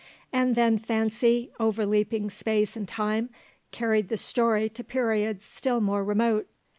And then fancy, overleaping space and time, carried the story to periods still more remote.